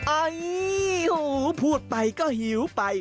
อ้ายยยพูดไปก็หิวไป